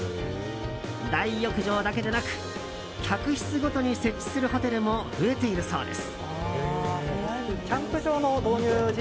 大浴場だけでなく客室ごとに設置するホテルも増えているそうです。